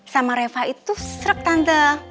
sama reva itu struk tante